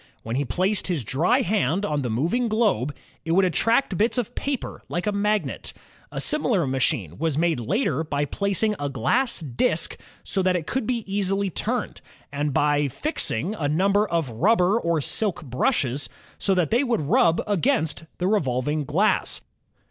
When he placed his dry hand on the moving globe, it would attract bits of paper like a magnet. A similar machine was made later by placing a glass disk so that it could be easily turned, and by fixing a number of rubber 74 INVENTIONS OF STEAM AND ELECTRIC POWER or silk brushes so that they would rub against the revolv ing glass.